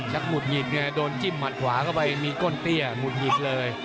จากหมุดหงิดเนี่ยโดนจิ้มหมัดขวาก็ไปมีก้นเตี้ยหมุดหงิดเลย